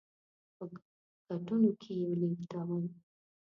په کټونو کې یې لېږدول.